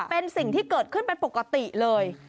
เป็นสิ่งที่เกิดขึ้นเป็นปกติเลย